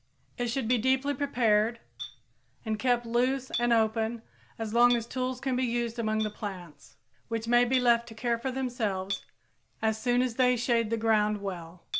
It should be deeply prepared and kept loose and open as long as tools can be used among the plants, which may be left to care for themselves as soon as they shade the ground well.